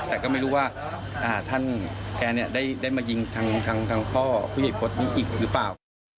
แต่ก็ไม่รู้ว่าท่านแกได้มายิงทางพ่อผู้ใหญ่โพสต์นี้อีกหรือเปล่า